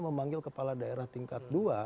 memanggil kepala daerah tingkat dua